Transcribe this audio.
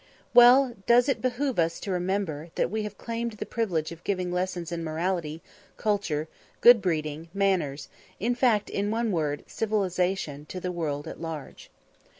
Well does it behove us to remember that we have claimed the privilege of giving lessons in morality, culture, good breeding, manners, in fact, in one word, civilisation to the world at large.